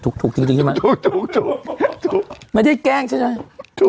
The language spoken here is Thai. ถูกถูกจริงจริงใช่ไหมถูกถูกถูกถูกไม่ได้แกล้งใช่ไหมถูก